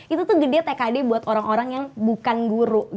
itu tuh gede tkd buat orang orang yang bukan guru